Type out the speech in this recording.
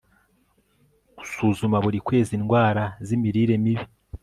gusuzuma buri kwezi indwara z'imirire mibi